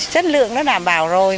chất lượng nó đảm bảo rồi